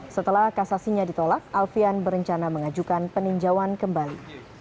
setelah kasasinya ditolak alfian berencana mengajukan peninjauan kembali